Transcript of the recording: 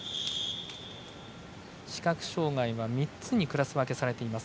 視覚障がいは３つにクラス分けされています。